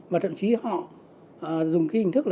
và thậm chí họ dùng hình thức